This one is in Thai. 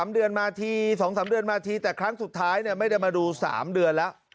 ๓เดือนมาที๒๓เดือนมาทีแต่ครั้งสุดท้ายไม่ได้มาดู๓เดือนแล้ว